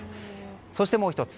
そして、もう１つ。